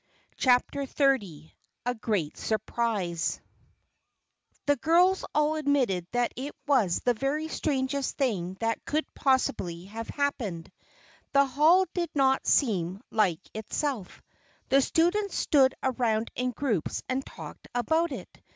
CHAPTER XXX A GREAT SURPRISE The girls all admitted that it was the very strangest thing that could possibly have happened! The Hall did not seem like itself. The students stood around in groups and talked about it.